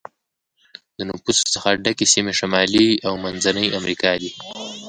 د نفوسو څخه ډکې سیمې شمالي او منځنی امریکا دي.